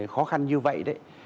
khó khăn như vậy đấy